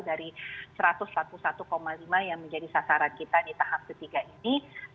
dari satu ratus empat puluh satu lima yang menjadi sasaran kita di tahap ketiga ini